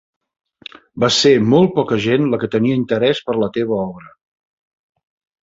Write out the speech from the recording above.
Va ser molt poca gent la que tenia interès per la teva obra.